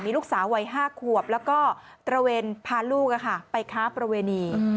ลูกสาววัย๕ขวบแล้วก็ตระเวนพาลูกไปค้าประเวณี